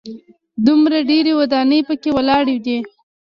دومره ډېرې ودانۍ په کې ولاړې دي.